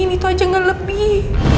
itu aja nggak lebih